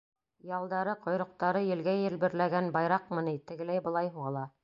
Ялдары, ҡойроҡтары елгә елберләгән байраҡмы ни, тегеләй-былай һуғыла.